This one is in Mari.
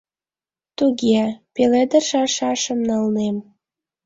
— Туге, пеледыш аршашым налнем.